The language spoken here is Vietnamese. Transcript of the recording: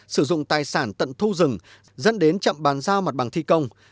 sử dụng tài sản tận thu rừng dẫn đến chậm bàn giao mặt bằng thi công